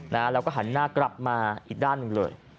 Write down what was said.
แล้วก็หันหน้ากลับมาอีกด้านหนึ่งเลย